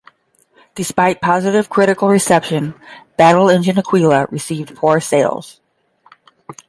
Despite positive critical reception, "Battle Engine Aquila" received poor sales.